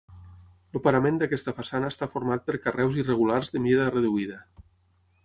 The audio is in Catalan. El parament d'aquesta façana està format per carreus irregulars de mida reduïda.